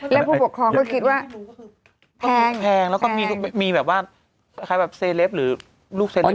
แล้วผู้ปกครองก็คิดว่า